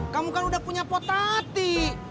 kamu kan udah punya potati